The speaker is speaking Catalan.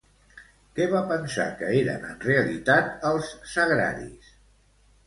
Què va pensar que eren en realitat els sagraris?